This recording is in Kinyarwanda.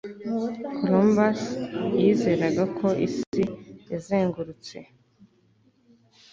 Columbus yizeraga ko Isi yazengurutse